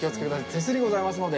手すりございますので。